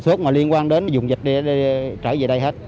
suốt mà liên quan đến dùng dịch trở về đây hết